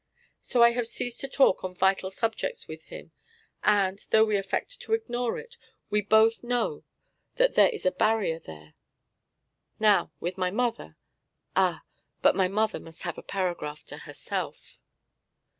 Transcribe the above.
So I have ceased to talk on vital subjects with him, and, though we affect to ignore it, we both know that there is a barrier there. Now, with my mother ah, but my mother must have a paragraph to herself.